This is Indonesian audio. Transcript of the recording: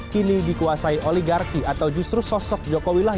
kini dikuasai oligarki atau justru sosok jokowi lah